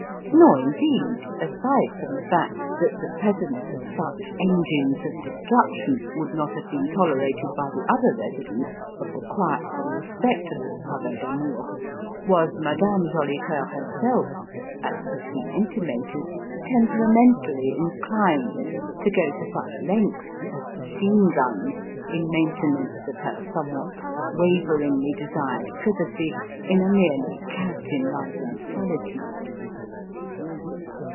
Nor indeed aside from the fact that the presence of such engines of destruction would not have been tolerated by the other residents of the quietly respectable Pavé d'Amour was Madame Jolicoeur herself, as has been intimated, temperamentally inclined to go to such lengths as machine guns in maintenance of her somewhat waveringly desired privacy in a merely cat enlivened solitude.